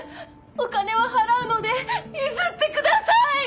お金は払うので譲ってください！